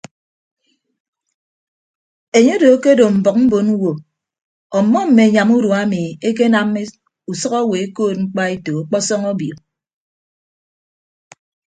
Enye odo akedo mbʌk mbon ñwo ọmmọ mme anyam urua emi ekenam usʌk owo ekoot mkpaeto ọkpọsọñ obio.